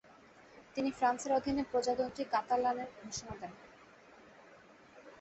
তিনি ফ্রান্সের অধীনে প্রজাতন্ত্রী কাতালান-এর ঘোষণা দেন।